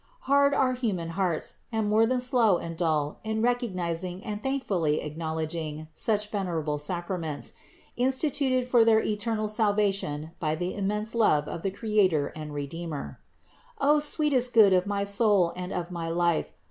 Hard are human hearts, and more than slow and dull in recognizing and thankfully acknowledging such venerable sacraments, in stituted for their eternal salvation by the immense love of the Creator and Redeemer. O sweetest Good of my soul and of my life!